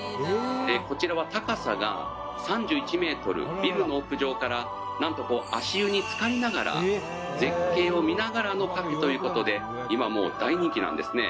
「こちらは高さが３１メートルビルの屋上からなんと足湯につかりながら絶景を見ながらのカフェという事で今もう大人気なんですね。